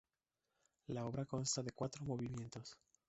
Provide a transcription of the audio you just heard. La obra consta de cuatro movimientos.